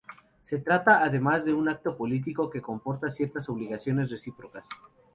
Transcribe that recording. Se trata, además, de un acto político que comporta ciertas obligaciones recíprocas.